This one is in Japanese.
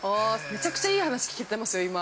めちゃくちゃいい話、聞けてますよ、今。